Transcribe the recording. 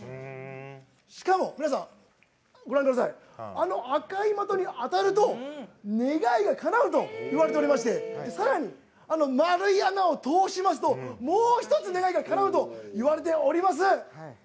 しかも、赤い的に当たると願いがかなうといわれておりましてさらに、あの丸い穴を通しますともう１つ願いがかなうといわれております。